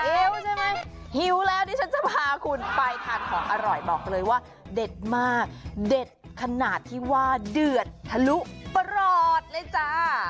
หิวใช่ไหมหิวแล้วดิฉันจะพาคุณไปทานของอร่อยบอกเลยว่าเด็ดมากเด็ดขนาดที่ว่าเดือดทะลุประหลอดเลยจ้า